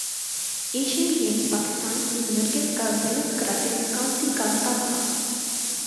Asian Games Pakistan کی نرگس کا women's karate میں کانسی کا تمغہ